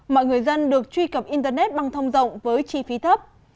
mọi người dân được truy cập internet băng thông rộng với chi phí thấp